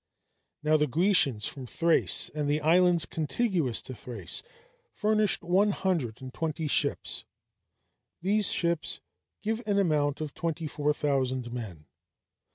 Now the Grecians from Thrace, and the islands contiguous to Thrace, furnished one hundred and twenty ships; these ships give an amount of twenty four thousand men.